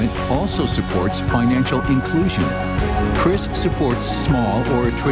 untuk membuat uang dengan aplikasi pembela